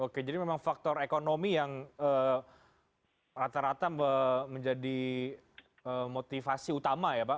oke jadi memang faktor ekonomi yang rata rata menjadi motivasi utama ya pak